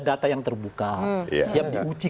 data yang terbuka siap diuji